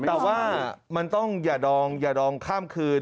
แต่ว่ามันต้องอย่าดองข้ามคืน